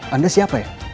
anda siapa ya